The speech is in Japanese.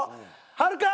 はるか！